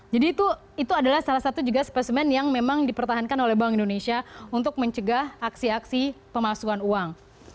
jadi itu adalah salah satu juga spesimen yang memang dipertahankan oleh bank indonesia untuk mencegah aksi aksi pemasuhan uang